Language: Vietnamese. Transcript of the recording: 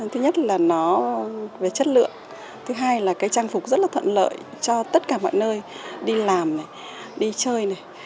thứ nhất là nó về chất lượng thứ hai là cái trang phục rất là thuận lợi cho tất cả mọi nơi đi làm đi chơi này